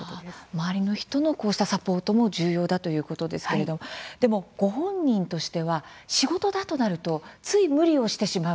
周りの人のこうしたサポートも重要だということですけれどもでもご本人としては仕事だというとつい無理をしてしまう。